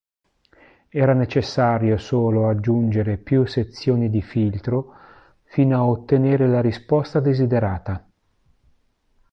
Era necessario solo aggiungere più sezioni di filtro fino a ottenere la risposta desiderata.